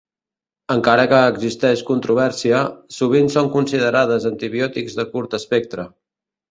Encara que existeix controvèrsia, sovint són considerades antibiòtics de curt espectre.